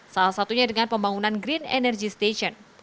salah satunya dengan pembangunan green energy station